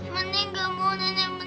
meninggalmu nenek meninggal